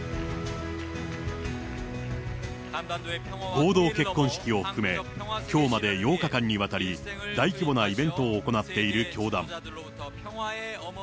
合同結婚式を含め、きょうまで８日間にわたり、大規模なイベントを行っている教団。